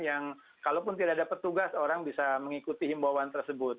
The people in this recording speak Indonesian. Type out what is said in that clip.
yang kalaupun tidak ada petugas orang bisa mengikuti himbauan tersebut